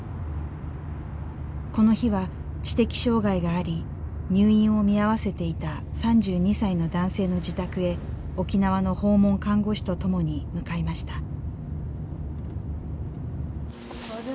この日は知的障害があり入院を見合わせていた３２歳の男性の自宅へ沖縄の訪問看護師と共に向かいました。